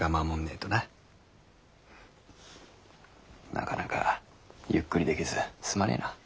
なかなかゆっくりできずすまねぇな。